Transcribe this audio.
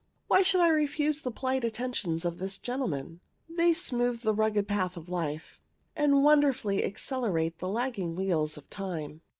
Why should I refuse the polite attentions of this gentleman? They smooth the rugged path of life, and wonderfully accelerate the lagging wheels of time.